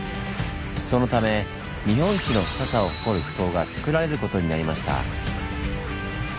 そのため日本一の深さを誇るふ頭がつくられることになりました。